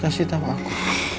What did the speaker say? kasih tau aku